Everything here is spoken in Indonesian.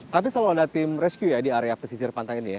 tapi selalu ada tim rescue ya di area pesisir pantai ini ya